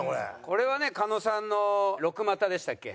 これはね狩野さんの６股でしたっけ？